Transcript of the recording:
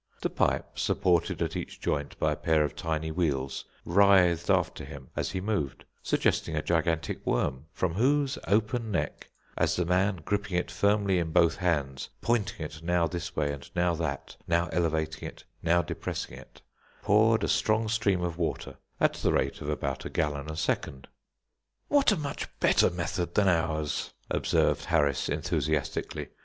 The pipe, supported at each joint by a pair of tiny wheels, writhed after him as he moved, suggesting a gigantic worm, from whose open neck, as the man, gripping it firmly in both hands, pointing it now this way, and now that, now elevating it, now depressing it, poured a strong stream of water at the rate of about a gallon a second. "What a much better method than ours," observed Harris, enthusiastically.